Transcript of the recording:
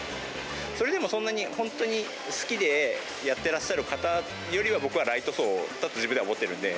それでもそんなに、本当に好きでやってらっしゃる方よりは、僕はライト層だと自分では思ってるんで。